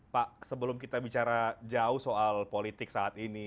pak sebelum kita bicara jauh soal politik saat ini